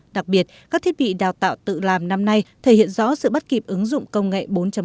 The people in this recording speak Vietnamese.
đặc biệt các thiết bị đào tạo tự làm năm nay thể hiện rõ sự bắt kịp ứng dụng công nghệ bốn